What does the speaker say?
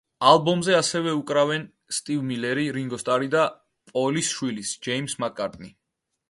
ალბომზე ასევე უკრავენ სტივ მილერი, რინგო სტარი და პოლის შვილიც, ჯეიმზ მაკ-კარტნი.